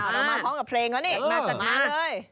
อ้าวเรามาพร้อมแพร้งกับเพลงล่ะเนี่ยง่ามจัดหมาเลย